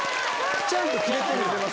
ちゃんとキレてるやん。